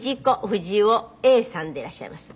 不二雄さんでいらっしゃいます。